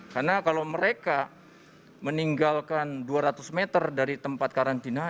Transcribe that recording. karena kalau mereka meninggalkan dua ratus meter dari tempat karantina